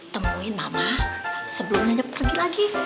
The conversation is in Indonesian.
temuin mama sebelumnya pergi lagi